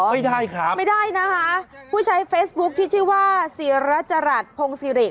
ไม่ได้ครับไม่ได้นะคะผู้ชายเฟซบุ๊กที่ชื่อว่าศรัจรัสพงศ์ศรีเหรก